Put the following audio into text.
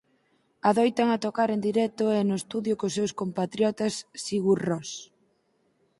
Adoitan a tocar en directo e no estudio cos seus compatriotas Sigur Rós.